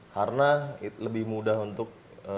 karena lebih mudah untuk